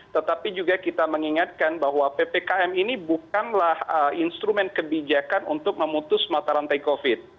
tetapi juga kita mengingatkan bahwa ppkm ini bukanlah instrumen kebijakan untuk memutus mata rantai covid